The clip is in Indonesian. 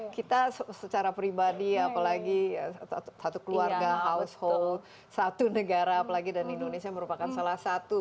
kita secara pribadi apalagi satu keluarga household satu negara apalagi dan indonesia merupakan salah satu